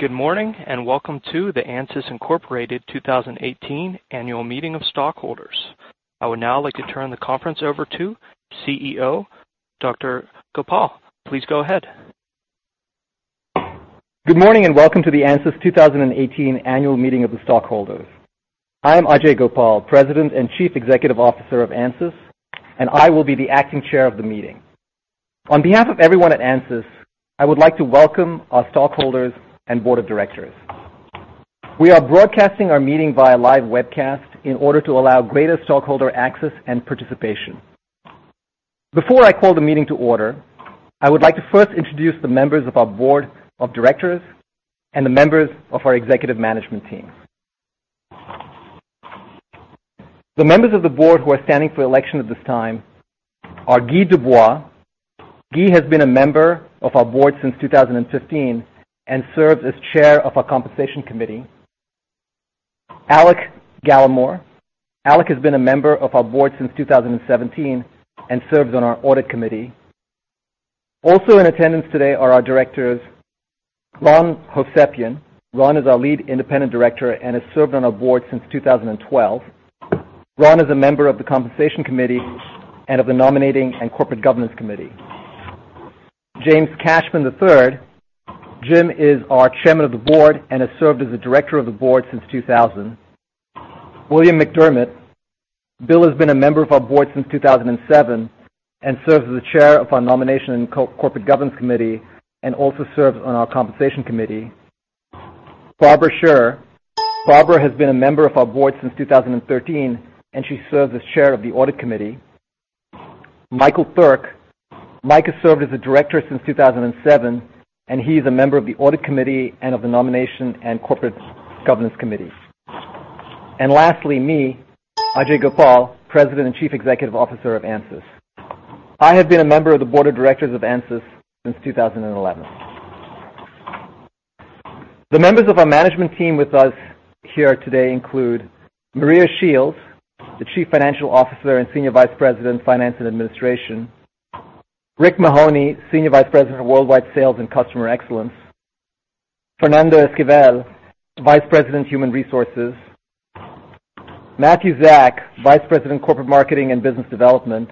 Good morning, and welcome to the ANSYS Incorporated 2018 Annual Meeting of Stockholders. I would now like to turn the conference over to CEO, Dr. Gopal. Please go ahead. Good morning, and welcome to the ANSYS 2018 Annual Meeting of the Stockholders. I am Ajei Gopal, President and Chief Executive Officer of ANSYS, and I will be the acting chair of the meeting. On behalf of everyone at ANSYS, I would like to welcome our stockholders and board of directors. We are broadcasting our meeting via live webcast in order to allow greater stockholder access and participation. Before I call the meeting to order, I would like to first introduce the members of our board of directors and the members of our executive management team. The members of the board who are standing for election at this time are Guy Dubois. Guy has been a member of our board since 2015 and serves as chair of our Compensation Committee. Alec Gallimore. Alec has been a member of our board since 2017 and serves on our Audit Committee. Also in attendance today are our directors, Ron Hovsepian. Ron is our Lead Independent Director and has served on our board since 2012. Ron is a member of the Compensation Committee and of the Nominating and Corporate Governance Committee. James Cashman III. Jim is our Chairman of the Board and has served as a director of the board since 2000. William McDermott. Bill has been a member of our board since 2007 and serves as the Chair of our Nominating and Corporate Governance Committee and also serves on our Compensation Committee. Barbara Scherer. Barbara has been a member of our board since 2013, and she serves as Chair of the Audit Committee. Michael Turk. Mike has served as a director since 2007, and he is a member of the Audit Committee and of the Nominating and Corporate Governance Committee. Lastly, me, Ajei Gopal, President and Chief Executive Officer of ANSYS. I have been a member of the Board of Directors of ANSYS since 2011. The members of our management team with us here today include Maria Shields, the Chief Financial Officer and Senior Vice President, Finance and Administration. Rick Mahoney, Senior Vice President of Worldwide Sales and Customer Excellence. Fernando Esquivel, Vice President, Human Resources. Matthew Zack, Vice President, Corporate Marketing and Business Development.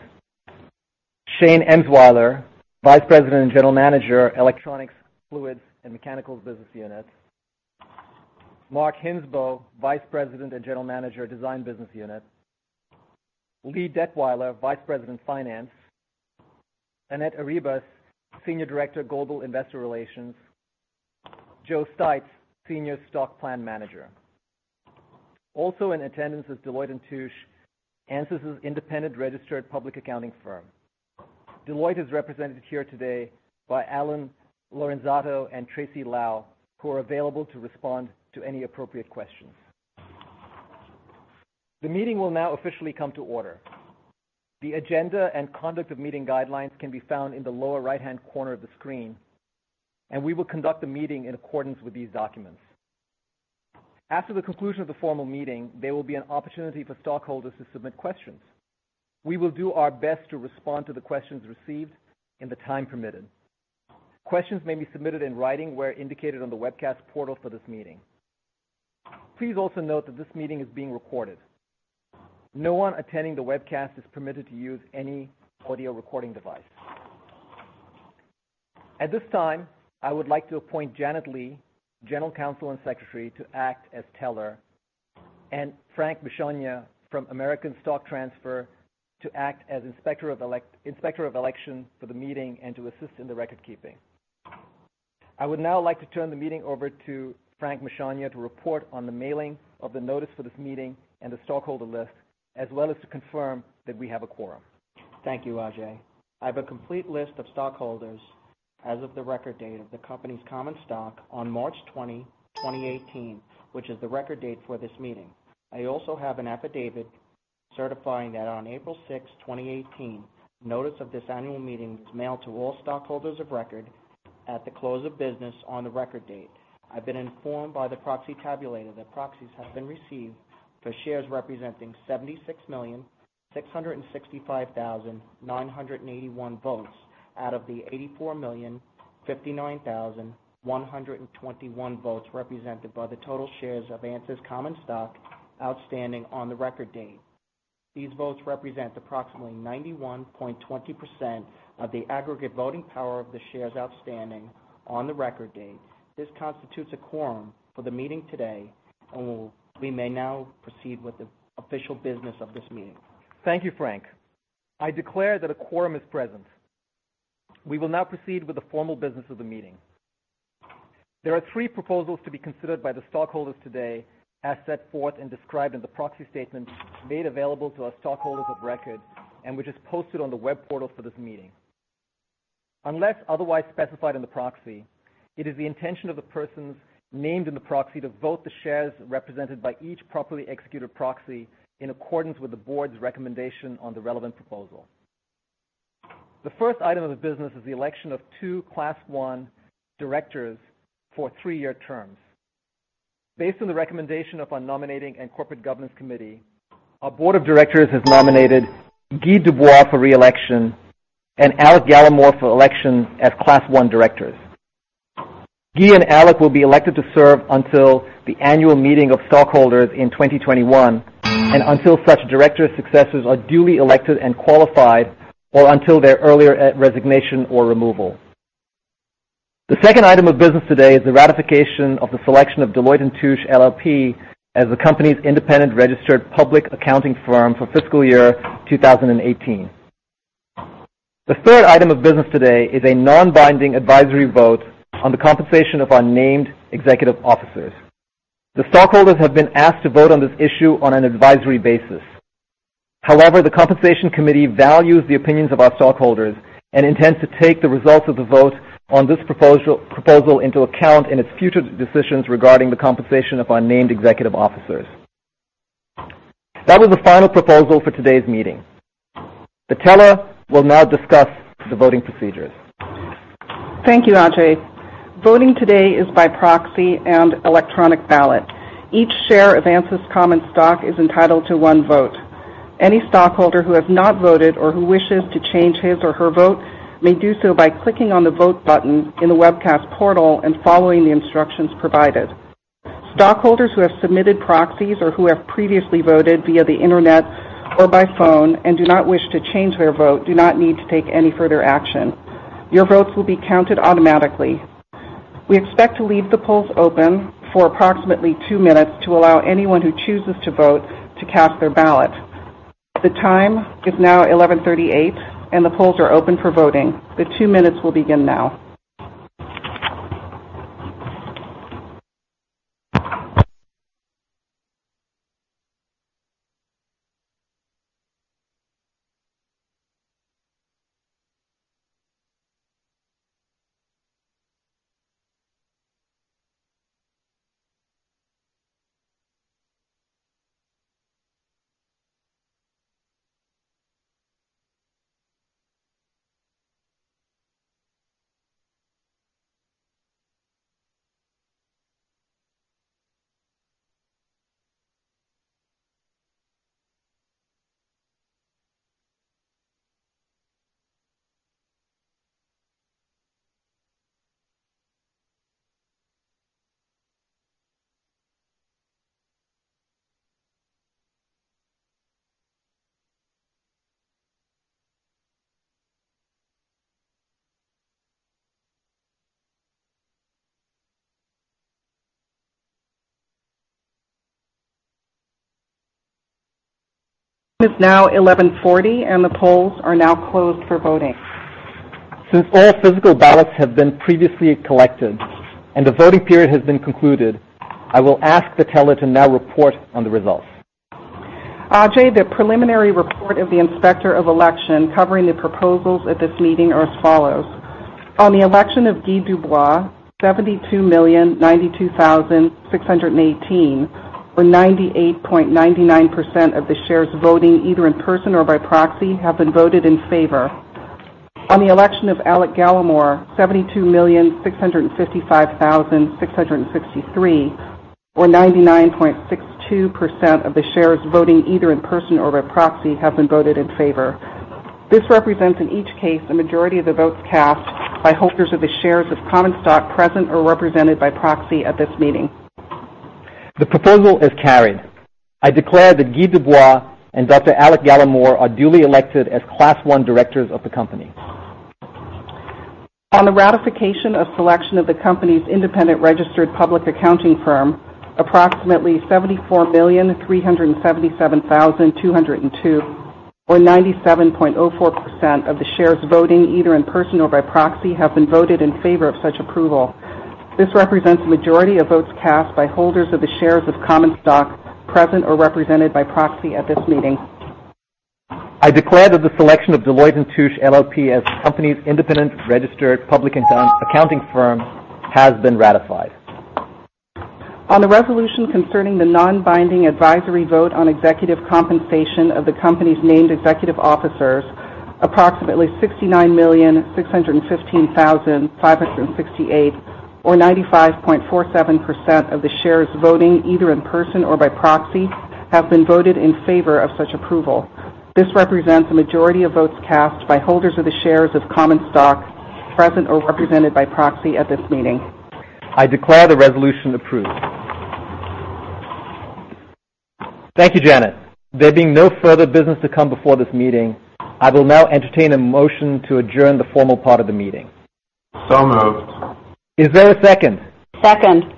Shane Emswiler, Vice President and General Manager, Electronics, Fluids, and Mechanicals Business Unit. Mark Hindsbo, Vice President and General Manager, Design Business Unit. Lee Detweiler, Vice President, Finance. Annette Arribas, Senior Director, Global Investor Relations. Joe Steitz, Senior Stock Plan Manager. Also in attendance is Deloitte & Touche, ANSYS' independent registered public accounting firm. Deloitte is represented here today by Alan Lorenzetto and Tracy Lau, who are available to respond to any appropriate questions. The meeting will now officially come to order. The agenda and conduct of meeting guidelines can be found in the lower right-hand corner of the screen, and we will conduct the meeting in accordance with these documents. After the conclusion of the formal meeting, there will be an opportunity for stockholders to submit questions. We will do our best to respond to the questions received in the time permitted. Questions may be submitted in writing where indicated on the webcast portal for this meeting. Please also note that this meeting is being recorded. No one attending the webcast is permitted to use any audio recording device. At this time, I would like to appoint Janet Lee, General Counsel and Secretary, to act as teller, and Frank Machonia from American Stock Transfer to act as Inspector of Election for the meeting and to assist in the record keeping. I would now like to turn the meeting over to Frank Machonia to report on the mailing of the notice for this meeting and the stockholder list, as well as to confirm that we have a quorum. Thank you, Ajei. I have a complete list of stockholders as of the record date of the company's common stock on March 20, 2018, which is the record date for this meeting. I also have an affidavit certifying that on April 6, 2018, notice of this annual meeting was mailed to all stockholders of record at the close of business on the record date. I've been informed by the proxy tabulator that proxies have been received for shares representing 76,665,981 votes out of the 84,059,121 votes represented by the total shares of ANSYS' common stock outstanding on the record date. These votes represent approximately 91.20% of the aggregate voting power of the shares outstanding on the record date. This constitutes a quorum for the meeting today, and we may now proceed with the official business of this meeting. Thank you, Frank. I declare that a quorum is present. We will now proceed with the formal business of the meeting. There are three proposals to be considered by the stockholders today, as set forth and described in the proxy statement made available to our stockholders of record and which is posted on the web portal for this meeting. Unless otherwise specified in the proxy, it is the intention of the persons named in the proxy to vote the shares represented by each properly executed proxy in accordance with the board's recommendation on the relevant proposal. The first item of the business is the election of two Class I directors for three-year terms. Based on the recommendation of our Nominating and Corporate Governance Committee, our board of directors has nominated Guy Dubois for re-election and Alec Gallimore for election as Class I directors. Guy and Alec will be elected to serve until the annual meeting of stockholders in 2021 and until such directors' successors are duly elected and qualified or until their earlier resignation or removal. The second item of business today is the ratification of the selection of Deloitte & Touche LLP as the company's independent registered public accounting firm for fiscal year 2018. The third item of business today is a non-binding advisory vote on the compensation of our named executive officers. The stockholders have been asked to vote on this issue on an advisory basis. However, the Compensation Committee values the opinions of our stockholders and intends to take the results of the vote on this proposal into account in its future decisions regarding the compensation of our named executive officers. That was the final proposal for today's meeting. The teller will now discuss the voting procedures. Thank you, Ajei. Voting today is by proxy and electronic ballot. Each share of ANSYS' common stock is entitled to one vote. Any stockholder who has not voted or who wishes to change his or her vote may do so by clicking on the Vote button in the webcast portal and following the instructions provided. Stockholders who have submitted proxies or who have previously voted via the internet or by phone and do not wish to change their vote do not need to take any further action. Your votes will be counted automatically. We expect to leave the polls open for approximately two minutes to allow anyone who chooses to vote to cast their ballot. The time is now 11:38 A.M., and the polls are open for voting. The two minutes will begin now. It is now 11:40 A.M., and the polls are now closed for voting. Since all physical ballots have been previously collected and the voting period has been concluded, I will ask the teller to now report on the results. Ajei, the preliminary report of the Inspector of Election covering the proposals at this meeting are as follows: On the election of Guy Dubois, 72,092,618 or 98.99% of the shares voting either in person or by proxy have been voted in favor. On the election of Alec Gallimore, 72,655,663 or 99.62% of the shares voting either in person or by proxy have been voted in favor. This represents, in each case, the majority of the votes cast by holders of the shares of common stock present or represented by proxy at this meeting. The proposal is carried. I declare that Guy Dubois and Dr. Alec Gallimore are duly elected as Class I directors of the company. On the ratification of selection of the company's independent registered public accounting firm, approximately 74,377,202 or 97.04% of the shares voting either in person or by proxy have been voted in favor of such approval. This represents the majority of votes cast by holders of the shares of common stock present or represented by proxy at this meeting. I declare that the selection of Deloitte & Touche LLP as the company's independent registered public accounting firm has been ratified. On the resolution concerning the non-binding advisory vote on executive compensation of the company's named executive officers, approximately 69,615,568 or 95.47% of the shares voting either in person or by proxy have been voted in favor of such approval. This represents a majority of votes cast by holders of the shares of common stock present or represented by proxy at this meeting. I declare the resolution approved. Thank you, Janet. There being no further business to come before this meeting, I will now entertain a motion to adjourn the formal part of the meeting. So moved. Is there a second? Second.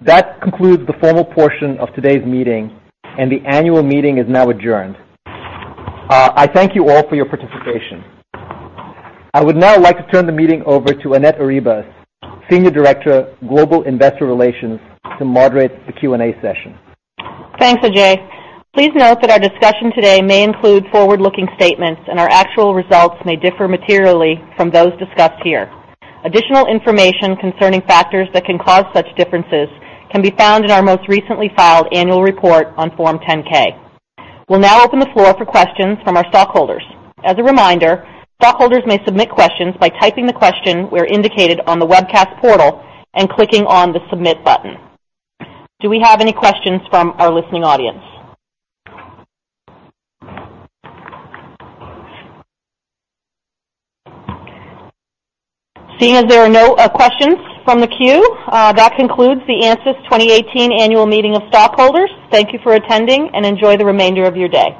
That concludes the formal portion of today's meeting, and the annual meeting is now adjourned. I thank you all for your participation. I would now like to turn the meeting over to Annette Arribas, Senior Director, Global Investor Relations, to moderate the Q&A session. Thanks, Ajei. Please note that our discussion today may include forward-looking statements, and our actual results may differ materially from those discussed here. Additional information concerning factors that can cause such differences can be found in our most recently filed annual report on Form 10-K. We'll now open the floor for questions from our stockholders. As a reminder, stockholders may submit questions by typing the question where indicated on the webcast portal and clicking on the Submit button. Do we have any questions from our listening audience? Seeing as there are no questions from the queue, that concludes the ANSYS 2018 Annual Meeting of Stockholders. Thank you for attending, and enjoy the remainder of your day.